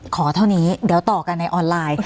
เท่านี้เดี๋ยวต่อกันในออนไลน์